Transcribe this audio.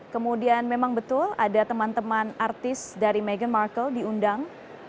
kemudian memang betul ada teman teman artis dari meghan markle diundang